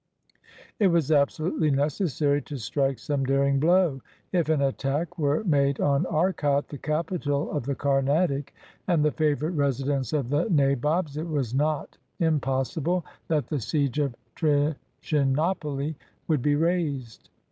It was abso lutely necessary to strike some daring blow. If an attack were made on Arcot, the capital of the Carnatic, and the favorite residence of the Nabobs, it was not impos sible that the siege of Trichinopoly would be raised.